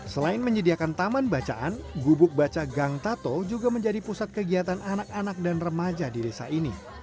selain menyediakan taman bacaan gubuk baca gang tato juga menjadi pusat kegiatan anak anak dan remaja di desa ini